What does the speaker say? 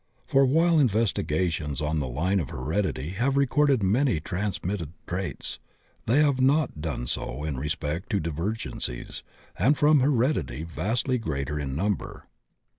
For while investigations on the line of heredity have recorded many transmit ted traits, they have not done so in respect to diver gencies from heredity vastly greater in number.